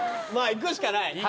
まあいくしかない。